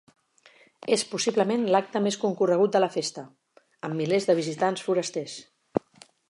És possiblement l'acte més concorregut de la festa, amb milers de visitants forasters.